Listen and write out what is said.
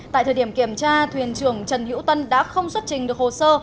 tại thời điểm kiểm tra thuyền trưởng trần hữu tân đã không xuất trình được hồ sơ